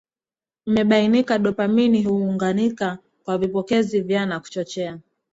umebainika Dopamini huunganika kwa vipokezi vya na kuchochea